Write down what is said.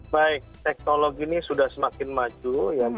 baik teknologi ini sudah semakin maju